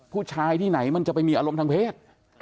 ผู้ชายที่ไหนมันจะไปมีอารมณ์ทางเพศ